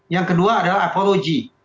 yang kedua adalah apology